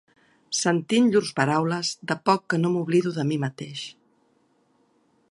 Sentint llurs paraules, de poc que no m'oblido de mi mateix